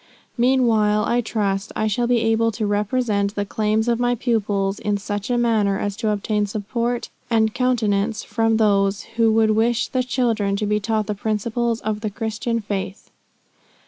Meanwhile I trust, I shall be able to represent the claims of my pupils in such a manner, as to obtain support and countenance from those, who would wish the children to be taught the principles of the Christian faith.